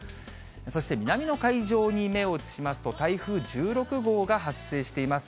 そして南の海上に目を移しますと、台風１６号が発生しています。